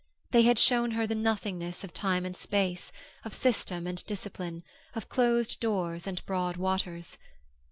They had shown her the nothingness of time and space, of system and discipline, of closed doors and broad waters.